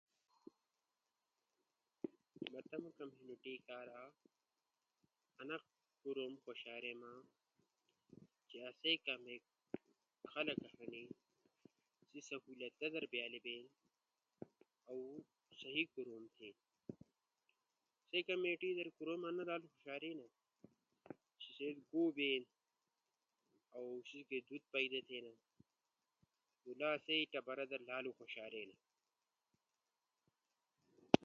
ما تمو کمیونٹی کارا انا کوروم خوشاریما چی آسئی کامیک خلق ہنی، سی سہولتا در بیالے بینا۔ اؤ سہی کوروم تھینا۔ آسئی کمیونٹی در کوروم انا لالو خوشارینو سو بے اؤ سیس در دھوت پیدا تھینا، نو لا آسو ٹبرا در لالو خوشارینا۔